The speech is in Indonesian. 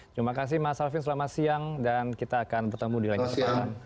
terima kasih mas alvin selamat siang dan kita akan bertemu di lain kesempatan